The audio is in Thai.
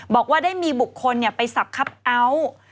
บอกว่าได้มีบุคคลไปสับคับเอาท์